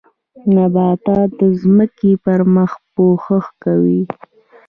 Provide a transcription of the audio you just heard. نباتات د ځمکې پر مخ پوښښ کوي